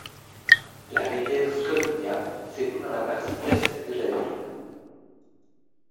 La rivière Skhodnia s'écoule dans la partie est de la ville.